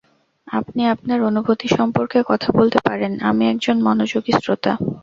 আপনি আপনার অনুভূতি সম্পর্কে কথা বলতে পারেন, আমি একজন মনোযোগী শ্রোতা।